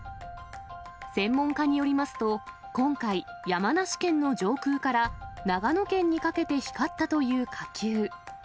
専門家によりますと、今回、山梨県の上空から長野県にかけて光ったという火球。